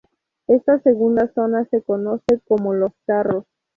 Esta segunda zona se conoce como "los carros".